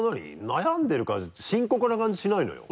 悩んでる感じ深刻な感じしないのよ。